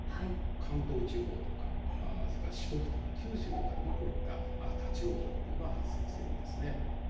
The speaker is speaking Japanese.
関東地方とかそれから四国とか九州とかでもこういった立往生っていうのは発生してるんですね。